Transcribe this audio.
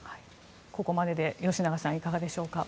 ここまでで吉永さんいかがでしょうか？